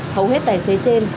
hầu hết tài xế trên